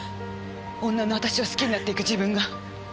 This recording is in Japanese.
女の私を好きになっていく自分が。